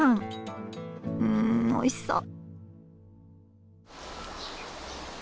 うんおいしそう。